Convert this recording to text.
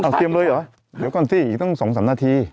เตรียมเลยเหรอเดี๋ยวก่อนสิอีกตั้ง๒๓นาที